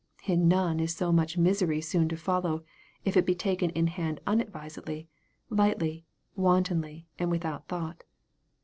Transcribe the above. In none is so much misery seen to follow, if it be taken in hand unadvisedly, lightly, wantonly, and without thought.